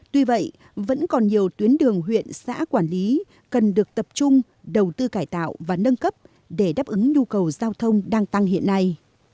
tuy vậy vẫn còn nhiều tuyến đường huyện xã quản lý cần được tập trung đầu tư cải tạo và nâng cấp để đáp ứng nhu cầu giao thông đang tăng hiện nay